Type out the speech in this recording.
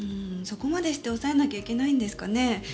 そこまでして抑えなきゃいけないんですかね。